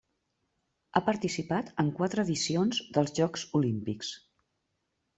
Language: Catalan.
Ha participat en quatre edicions dels Jocs Olímpics.